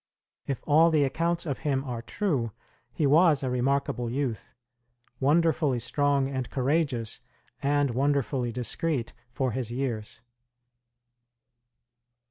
If all the accounts of him are true, he was a remarkable youth; wonderfully strong and courageous, and wonderfully discreet for his years.